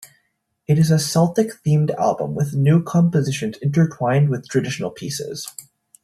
It is a Celtic-themed album with new compositions intertwined with traditional pieces.